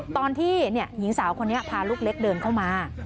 ตอนที่หญิงสาวคนนี้พาลูกเล็กเดินเข้ามา